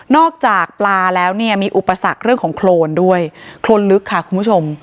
จากปลาแล้วเนี่ยมีอุปสรรคเรื่องของโครนด้วยโครนลึกค่ะคุณผู้ชม